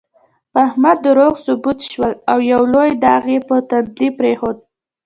په احمد دروغ ثبوت شول، او یو لوی داغ یې په تندي پرېښود.